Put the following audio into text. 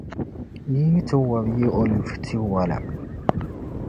yi yi ti wɔbi yi olivi tiwala.